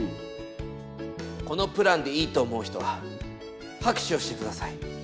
このプランでいいと思う人ははくしゅをしてください。